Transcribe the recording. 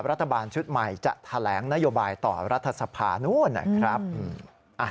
รัฐบาลชุดใหม่จะแถลงนโยบายต่อรัฐสภาคมนั่น